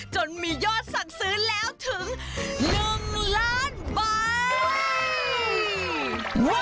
จนมียอดสั่งซื้อแล้วถึง๑ล้านบาท